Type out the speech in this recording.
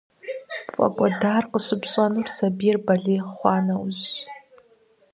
ПфӀэкӀуэдар къыщыпщӀэнур сабийр балигъ хъуа нэужьщ.